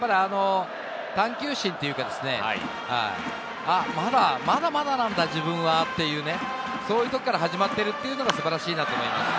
探究心というか、まだまだなんだ自分は、というね。というところから始まっているというのが素晴らしいなと思います。